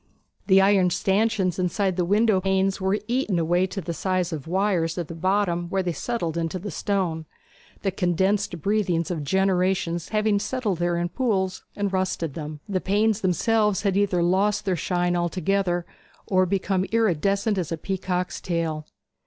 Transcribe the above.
The iron stanchions inside the window panes were eaten away to the size of wires at the bottom where they entered the stone, the condensed breathings of generations having settled there in pools and rusted them. The panes themselves had either lost their shine altogether or become iridescent as a peacock's tail.